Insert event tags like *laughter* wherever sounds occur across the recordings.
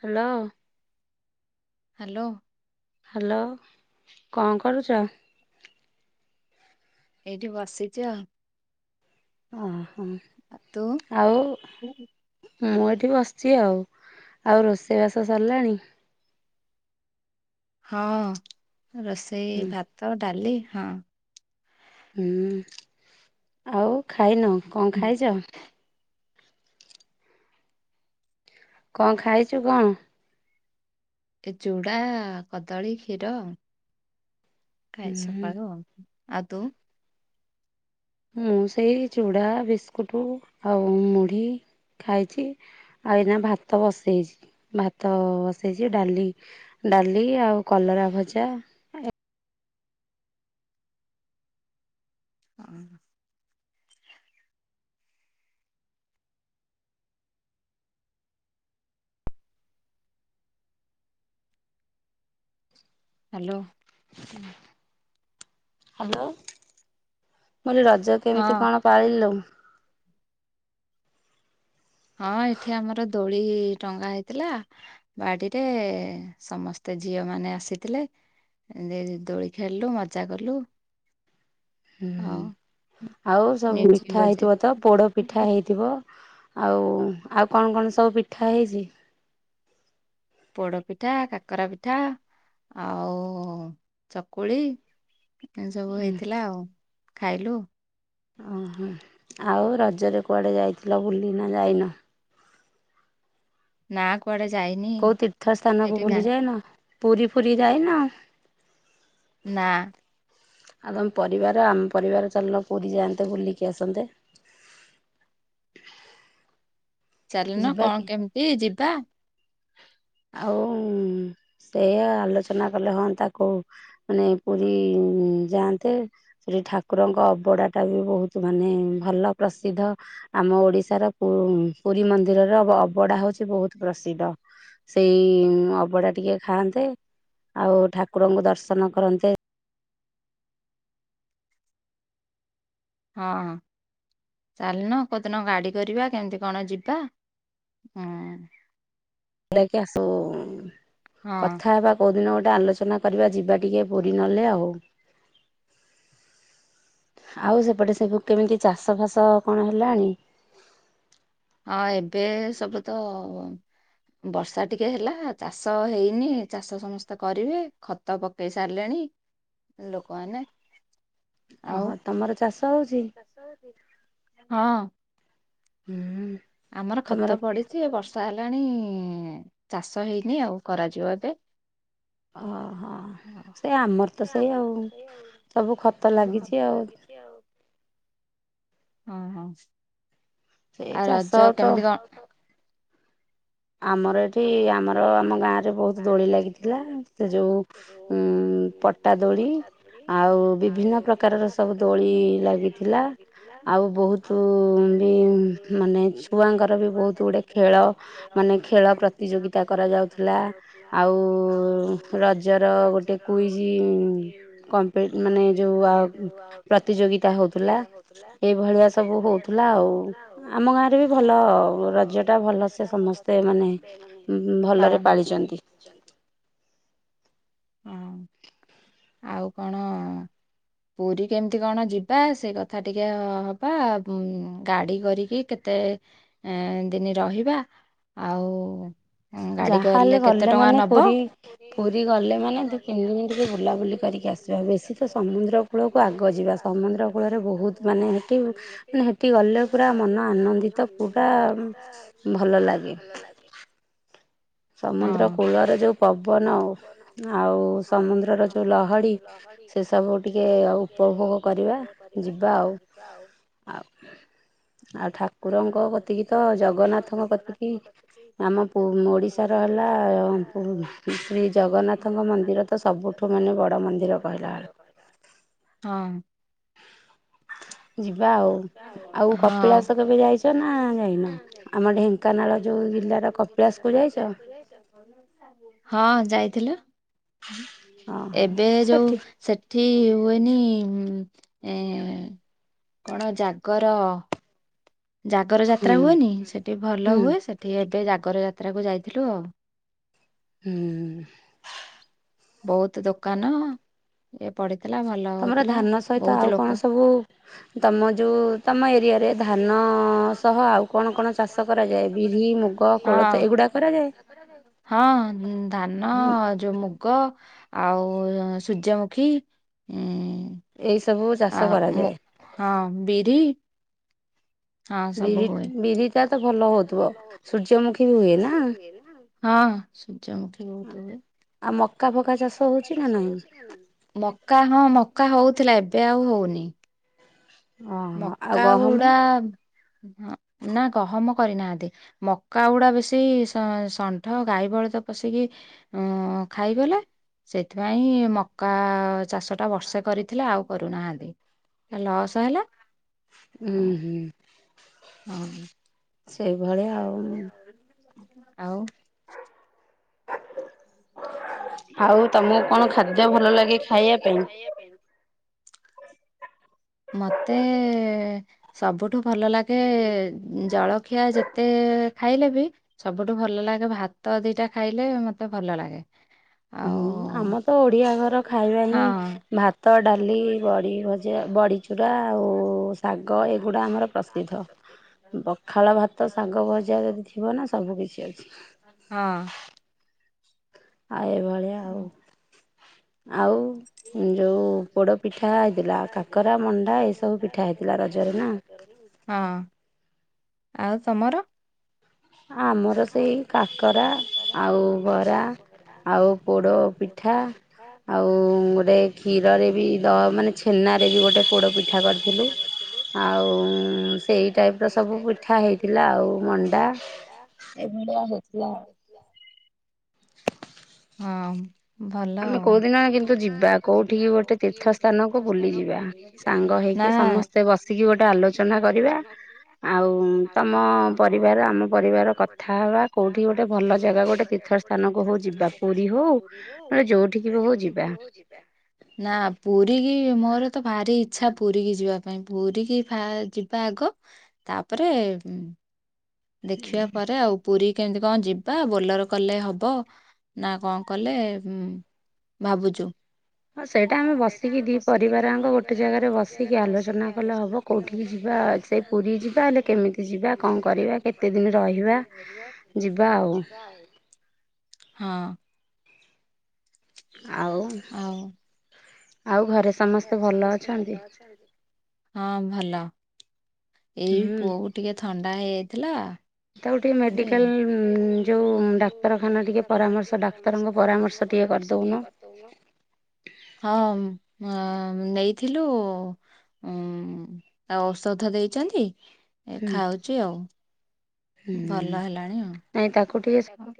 Hello hello hello କିଆଁ କରୁଚ? ଏଇଠି ବସିଚି ଅଉ ଓ ହୋ ଆଉ ମୁଁ ଏଠି ବସିଛି ଆଉ ଆଉ ରୋଷେଇ ବାସ ସରିଲାଣି ହଁ। ରୋଷେଇ ଭାତ, ଡାଲି ହଁ। ହୁଁ ଆଉ ଖାଇନ କଣ ଖାଇଚ? କଣ ଖାଇଛୁ କଣ? ଏ ଚୁଡ଼ା କଦଳୀ କ୍ଷୀର ଖାଇଚି ସକାଳୁ ଆଉ। ଆଉ ତୁ? ମୁଁ ସେଇ ଚୂୁଡ଼ା ବିସ୍କୁଟ ଆଉ ମୁଢ଼ି ଖାଇଛି ଆଉ ଏଇନା ଭାତ ବସେଇଛି ଭାତ ବସେଇଛି ଡାଲି ଡାଲି ଆଉ କଲରା ଭଜା *inaudible* *inaudible* ହାଲୋ ହାଲୋ ମୁଁ କହିଲି ରଜ କେମିତି କଣ ପାଳିଲୁ? ହଁ ଏଠି ଆମର ଦୋଳି ଟଙ୍ଗା ହେଇଥିଲା ବାଡିରେ ସମସ୍ତେ ଝିଅ ମାନେ ଆସିଥିଲେ ଦୋଳି ଖେଳିଲୁ ମଜା କଲୁ ହୁଁ ଆଉ ସବୁ ପିଠା ହେଇଥିବ ତ ପୋଡ ପିଠା ହେଇଥିବ। ଆଉ ଆଉ କଣ କଣ ସବୁ ପିଠା ହେଇଚି। ପୋଡପିଠା, କାକରା ପିଠା, ଆଉ ଚକୁଳି ଏ ସବୁ ହେଇଥିଲା ଆଉ। ଖାଇଲୁ ଓହୋ ଆଉ ରଜରେ କୁଆଡେ ଯାଇଥିଲ ବୁଲି ନା ଯାଇନ ନା କୁ କୋଉ ତୀର୍ଥ ସ୍ଥାନକୁ ବୁଲିଯାଇନୁ ପୁରୀ ଫୁରୀ ଯାଇନୁ ନା ଆଉ ତମ ପରିବାର ଆମ ପରିବାର ଚାଲିନ ପୁରୀ ଯାଆନ୍ତେ ବୁଲିକି ଆସନ୍ତେ ଚାଲୁନ କଣ କେମିତି ଯିବା ଆଉ ସେଇଆ ଆଲୋଚନା କଲେ ହଁ ତାକୁ ମାନେ ପୁରୀ ଯାଆନ୍ତେ ସେ ଠାକୁରଙ୍କ ଅବଡା ଟା ବି ବହୁତ ମାନେ ଭଲ ପ୍ରସିଦ୍ଧ ଆମ ଓଡିଶାର ପୁରୀ ମନ୍ଦିରରେ ଅବଡା ହଉଛି ବହୁତ ପ୍ରସିଦ୍ଧ। ସେଇ ଅବଢା ଟିକେ ଖାଆନ୍ତେ ଆଉ ଠାକୁରଙ୍କୁ ଦର୍ଶନ କରନ୍ତେ। ହଁ ଚାଲିନ କେଉଦିନ ଗାଡି କରିବା କେମିତି କଣ ଯିବା ହୁଁ। ସେଟା କି ଆସୁ କଥା ହେବା କୋଉ ଦିନ ଗୋଟେ ଆଲୋଚନା କରିବା ଯିବା ଟିକେ ପୁରୀ ନଲେ ଆଉ ଆଉ ସେପଟେ ସେବୁ କେମିତି ଚାଷ ଫାସ କଣ ହେଲାନି ହଁ ଏବେ ସବୁ ତ ବର୍ଷା ଟିକେ ହେଲା ଚାଷ ହେଇନି ଚାଷ ସମସ୍ତେ କରିବେ ଖତ ପକେଇ ସାରିଲେଣି ଲୋକମାନେ ଓହୋ ତମର ଚାଷ ହଉଛି? ହଁ। ହୁଁ। ଆମର ଖତ ପଡିଛି ଏ ବର୍ଷ ତା ହେଲାଣି ଚାଷ ହେଇନି ଆଉ କରାଯିବ ଏବେ ଓହୋ ସେ ଆମର ତ ସେଇ ଆଉ ସବୁ ଖତ ଲାଗିଛି ଆଉ। ହଁ ହଁ। ସେଇ ଚାଷ ଆଛା କେମିତି କଣ? ଆମର ଏଠି ଆମର ଆମ ଗାଁ ରେ ବହୁତ ଦୋଳି ଲାଗିଥିଲା ସେ ଯୋଉ ଉ ପଟା ଦୋଳି ଆଉ ବିଭିନ୍ନ ପ୍ରକାରର ସବୁ ଦୋଳି ଲାଗିଥିଲା ଆଉ ବହୁତ ବି ମାନେ ଛୁଆଙ୍କର ବି ବହୁତ ଗୁଟେ ଖେଳ ପ୍ରତିଯୋଗିତା କରାଯାଉଥିଲା ଆଉ ରଜର ଗୋଟେ କୁଇଜ୍ କମ୍ପ ମାନେ ଯେଉଁ ପ୍ରତିଯୋଗିତା ହେଉଥିଲା ଏଇଭଳିଆ ସବୁ ହଉଥିଲା ଆଉ ଆମ ଗାଁରେ ବି ଭଲ ରଜଟା ଭଲ ସେ ସମସ୍ତ ମାନେ ଭଲରେ ପାଳିଛନ୍ତି ହଁ ଆଉ କଣ ପୁରୀ କେମିତି କଣ ଯିବା ସେ କଥା ଟିକେ ହବା ଗାଡି କରିକି କେତେ ଦିନ ରହିବା ଆଉ ଯାହା ହେଲେ ଗଲେ ମାନେ ପୁରୀ ପୁରୀ ଗଲେ ମାନେ ଦି ତିନି ଦିନ ଟିକେ ବୁଲାବୁଲି କରିକି ଆସିବା ବେଶୀ ତ ସମୁଦ୍ର କୂଳକୁ ଆଗ ଯିବା ସମୁଦ୍ର କୂଳରେ ବହୁତ ମାନେ ହେଠି ମେ ହେଠି ଗଲେ ପୁରା ମନ ଆନନ୍ଦିତ ପୁରା ଭଲ ଲାଗେ ଲାଗେ ସମୁଦ୍ର କୂଳର ଯୋଉ ପବନ ଆଉ ସମୁଦ୍ରର ଯୋଉ ଲହଡି ସେ ସବୁ ଟିକେ ଉପଭୋଗ କରିବା ଯିବା ଆଉ ଆଉ ଆଉ ଠାକୁରଙ୍କ କତିକି ତ ଜଗନ୍ନାଥଙ୍କ କତି ଇ ଆମ ଓଡିଶା ଓଡିଶ ର ହେଲା ଶ୍ରୀ ଜଗନ୍ନାଥଙ୍କ ମନ୍ଦିର ତ ସବୁଠୁ ମାନେ ବଡ ମନ୍ଦିର କହିଲାଳୁ ହଁ। ଯିବା ଆଉ ଆଉ କପିଳାସ କେବେ ଯାଇଛ ନା ଯାଇନ ଆମ ଢେଙ୍କାନ ଆମ ଢେଙ୍କାନା ଯୋଉ ହଁ ଯାଇଥିଲ ଏବେ ଯୋଉ ସେଠି ହୁଏନି ଏ କଣ ଜାଗର ଜାଗର ଯାତ୍ରା ହୁଏନି ସେଠି ଭଲ ହୁଏ ସେଠି ଏବେ ଜାଗ ଗର ଯାତ୍ରାକୁୁ ଯାଇଥିଲୁ ଆଉ ହୁଁ। ବହୁତ ଦୋକାନ ଇଏ ପଡି ତମର ଧାନ ସହିତ ଆଉ କଣ ସବୁ ତମ ଯୋଉ ତମ ଏରିଆରେ ଧାନ ହଁ ହଁ ଧାନ, ଆଉ ଯୋଉ ମୁଗ। ଆଉ ସୂର୍ଯ୍ୟମୁଖୀ ଉଁ ଆ ମୁଁ ହଁ ବିରି ବିରି ବିରି ହଁ ସୂର୍ଯ୍ୟମୁଖୀ ବୋହୁତ ହୁଏ, ମକା ହଁ ମକା ହଉଥିଲା ଏବେ ଏବେ ଆଉ ହୋଉନି। ମକା ଉଡ଼ା ନା ଗହମ କରି ନାହାଁନ୍ତି ମକା ଗୁଡା ବେଶୀ ଷ ଷ ଷଣ୍ଢ ଗାଈ ବଳଦ ପଶିକି ଖାଇଗଲେ ସେଇଥିପାଇଁ ମକା ଚାଷ ଟା ବର୍ଷେ କରିଥିଲେ ଆଉ କରୁନାହାଁନ୍ତି ଲସ୍ ହେଲା। ଉଁ ହୁଁ। ହଁ। ସେଇଭଳିଆ ଆଉ ଆଉ ହୁଁ ତମେ କଣ ଖାଦ୍ୟ ଭଲ ଲାଗେ ଖାଇବା ପାଇଁ? ମତେ ସବୁଠୁ ଭଲ ଲାଗେ ଜଳଖିଆ ଯେତେ ଖାଇଲେ ବି ସବୁଠୁ ଭଲ ଲାଗେ ଭାତ ଦିଟା ଖାଇଲେ ମତେ ଭଲ ଲାଗେ। ହୁଁ ଆମ ତ ଓଡିଆ ଘର ଖାଇବା ହିଁ ଭାତ, ଡାଲି, ବଡି ଭଜା, ବଡିଚୁରା ଆଉ ଶାଗ ଏଗୁଡା ଆମର ପ୍ରସିଦ୍ଧ ପଖାଳ ଭାତ ଶାଗ ଭଜା ଯଦି ଥିବ ନା ସବୁ କିିଛି ଅଛି। ଆଉ ଏଭଳିଆ ଆଉ। ଆଉ ଯୋଉ ପୋଡ ପିଠା ହେଇଥିଲା କାକରା ମଣ୍ଡା ଏଇ ସବୁ ପିଠା ହେଇଥିଲା ରଜରେ ନା। ଆଉ ତମର? ଆମକୁ ବି କାକରା ଆଉ ବରା ଆଉ ପୋଡ଼ ପିଠା ଗୋଟେ କ୍ଷୀରରେ ବି ଦ ମାନେ ଛେନାରେ ବି ଗୋଟେ ପୋଡ଼ ପିଠା କରିଥିଲୁ ଆଉ ସେଇ ଟାଇପ୍ ର ସବୁ ପିଠା ହେଇଥିଲା ଆଉ ମଣ୍ଡା। ଏମିତିଆ ହେଇଥିଲା ଆଉ। ହଁ। ଆମେ କୋଉଦିନ କି ତୁ ଯିବା କୋଉଠିକି ଗୋଟେ ତୀର୍ଥ ସ୍ଥାନକୁ ବୁଲି ଯିବା ସାଙ୍ଗ ହେଇକି ସମସ୍ତେ ବସିକି ଗୋଟେ ଆଲୋଚନା କରିବା ଆଉ ତମ ପରିବାର ଆମ ପରିବାର କଥା ହବା କୋଉଠି ଗୋଟେ ଭଲ ଜାଗା ଗୋଟେ ତୀର୍ଥ ସ୍ଥାନକୁ ହୋଉ ଯିବା ପୁରୀ ହୋଉ ହଁ ଯୋଉଠିକି ବି ହୋଉ ଯିବା। ନା ପୁରୀ କିି ମୋର ତ ଭାରି ଇଚ୍ଛା ପୁରୀ କିି ଯିବା ପାଇଁ ପୁରୀ କିି ଫା ଯିବା ଆଗ ତାପରେ ଦେଖିବା ପରେ ଆଉ ପୁରୀ କେମିତି କଣ ଯିବା ବୋଲର କଲେ ହବ ନା କଣ କଲେ ଭାବୁଚୁ। ହଁ ସେଇଟା ଆମେ ବସିକି ଦି ପରିବାରଙ୍କ ଗୋଟେ ଜାଗାରେ ବସିକି ଆଲୋଚନା କଲେ ହବ କୋଉଠିକି ଯିବା ସେ ପୁରୀ ଯିବା ହେଲେ କେମିତି ଯିବା କଣ କରିବା *unintelligible* ଯିବା ଆଉ ହଁ। ଆଉ ଆଉ ଘରେ ସମସ୍ତେ ଭଲ ଅଛନ୍ତି। ହଁ ଭଲ। ଏଇ ପୁଅ କ ଟିକେ ଥଣ୍ଡା ହେଇଯାଇଛି। ଥିଲା ମେଡିକାଲ ଯୋଉ ଡାକ୍ତରଖାନା ଟିକେ ପରାମର୍ଶ ମଡାକ୍ତଙ୍କ ପରାମର୍ଶ ଟିକେ କରିଦଉନୁ ହଁ ଅ ନେଇଥିଲୁ ଉଁ ଆଉ ଔଷଧ ଦେଇଛନ୍ତି। ଏ ଖାଉଛି ଆଉ ଭଲ ହେଲାଣି ଆଉ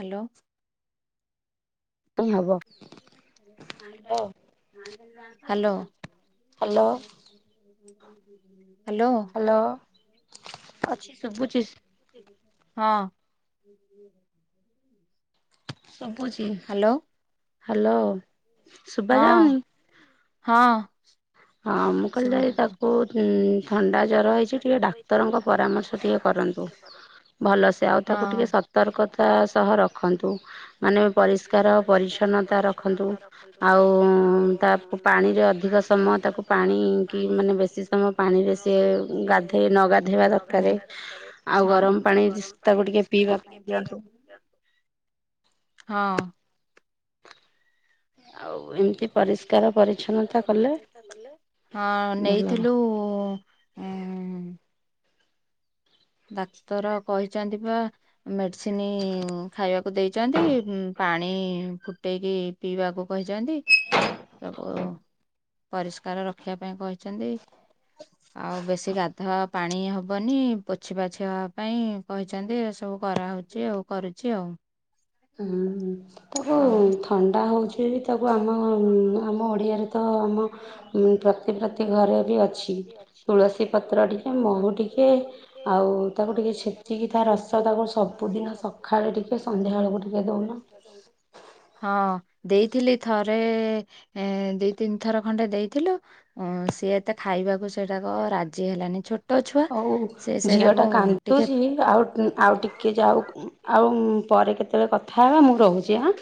ହ୍ୟାଲୋ। ନାହିଁ ହବ ହ୍ୟାଲୋ। ହୁଁ ହୁଁ ହୁଁ। ହ୍ୟାଲୋ ଅଛି ଶୁଭୁଛିି। ହଁ। ସଭୁଛି। ହ୍ୟାଲୋ। ଶୁବା ଯାଉନି? ହଁ। ହଁ ମୁଁ କହିଲି ଯାଇକି ତାକୁ ଉଁ ଥଣ୍ଡା ଜର ହେଇଛି ଟିକିେ ଡାକ୍ତରଙ୍କ ପରାମର୍ଶ ଟିକେ କରନ୍ତୁ। ଭଲସେ ଆଉ ତାକୁ ଟିକେ ସତର୍କତା ସହ ରଖନ୍ତୁ। ମାନେ ପରିଷ୍କାର ପରିଚ୍ଛନ୍ନତା ରଖନ୍ତୁ। ଆଉ ତାକୁ ପାଣିରେ ଅଧିକ ସମୟ ପାଣି କି ମାନେ ବେଶି ସମୟ ପାଣିରେ ସେ ପାଣିରେ ସିଏ ଗାଧେଇ ନ ଗାଧେଇବା ଦରକରେ ଆଉ ଗରମ ପାଣି ତାକୁ ଟିକେ ପିଇବାକୁ ହଁ। ହଉ ଏମ୍ ତି ପରିଷ୍କାର ପରିଚ୍ଛନ୍ନତା ନେଲେ ହଁ ନେଇଥିଲୁ ଉଁ ଉଁ ଉଁ ଡାକ୍ତର କହିଛନ୍ତି ବା ମେଡିସିନ ଖାଇବାକୁ ଦେଇଛନ୍ତି ପାଣି ଫୁଟେଇକି ପିଇବାକୁ କହିଛନ୍ତି। ତାକୁ ପରିଷ୍କାର ରଖିବା ପାଇଁ କହିଛନ୍ତି। ଆଉ ବେଶୀ ଗାଧୁଆ ପାଣି ହବନି। ଛି ପାଛି ହବା ପାଇଁ କହିଛନ୍ତି ଏ ସବୁ କରାହୋଉଚି ଆଉ କରିଚି ଆଉ। ହୁଁ। ତାକୁ ଥଣ୍ଡା ହୋଉଚି ବି ତାକୁ ଆମ ଆମ ଓଡ଼ିଆରେ ତ ଆମ ଉଁ ପ୍ରତି ପ୍ରତି ଘରେ ବି ଅଛି ତୁଳସୀ ପତ୍ର ଟିକେ ମହୁ ଟିକେ ଆଉ ତାକୁ ଟିକେ ଛେଚିକି ତା ରସ ତାକୁ ସବୁଦିନ ସଖାଳେ ଟିକେ ସନ୍ଧ୍ୟା ଅଳୁକୁ ଟି ଆହିରେ ପୁରା ତମୁକୁ ହଁ ଦେଇଥିଲି ଥରେ ଏ ଦି ତିନି ଥର ଖଣ୍ଡେ ଦେଇଥିଲୁ ଉଁ ସିଏ ଏତେ ଖାଇବାକୁ ସେଇଟାକ ରାଜି ହେଲାନି ଛୋ ହଉ ଝିଅଟା କାନ୍ଦୁଚି ଆଉ ଆଉ ଟିକେ ଯାଉ ଆଉ ପରେ କେତୋଳେ କ ଥା ହବା ମୁଁ ରହୁଚି ଆଁ।